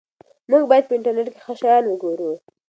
موږ باید په انټرنیټ کې ښه شیان وګورو.